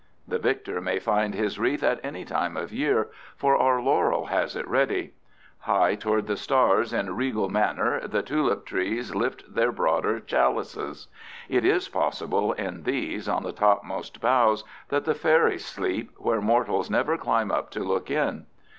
The victor may find his wreath at any time of year, for our laurel has it ready. High toward the stars in regal manner the tulip trees lift their broader chalices. It is probably in these, on the topmost boughs, that the fairies sleep where mortals never climb up to look in.